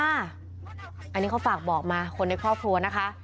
อันนี้เขาฝากบอกมาคนในครอบครัวนะคะ